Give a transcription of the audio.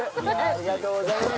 ありがとうございます。